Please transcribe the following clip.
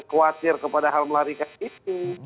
khawatir kepada hal melarikan itu